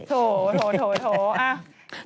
โถโถโถอะ